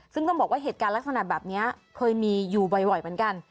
ซึ่งต้องบอกว่าเหตุการณ์ลักษณะแบบนี้เคยมีอยู่บ่อยเหมือนกัน